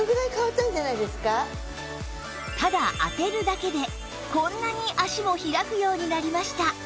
ただ当てるだけでこんなに脚も開くようになりました